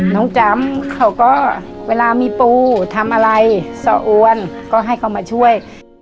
จำเขาก็เวลามีปูทำอะไรซ่ออวนก็ให้เขามาช่วย